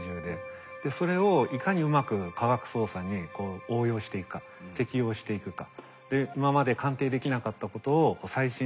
それをいかにうまく科学捜査に応用していくか適用していくか。